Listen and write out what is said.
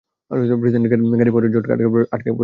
প্রেসিডেন্টের গাড়িবহর ঝড়ে আটকা পড়ে গিয়েছিল!